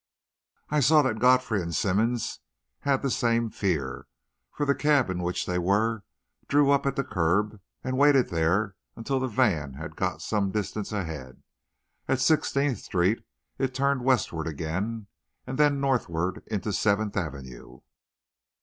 I saw that Godfrey and Simmonds had the same fear, for the cab in which they were drew up at the curb and waited there until the van had got some distance ahead. At Sixteenth Street, it turned westward again, and then northward into Seventh Avenue.